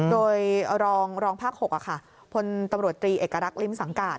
โดยรองรองภาค๖ค่ะพลตำรวจตรีเอกรักษ์ริมสังกาศ